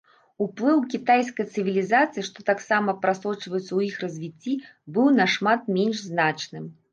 Уплыў кітайскай цывілізацыі, што таксама прасочваецца ў іх развіцці, быў нашмат менш значным.